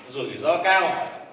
rủi ro cao